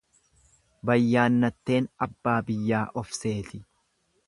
Bayyanatteen abbaa biyyaa of seeti.